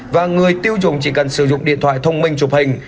và người tiêu dùng chỉ cần sử dụng điện thoại thông minh chụp hình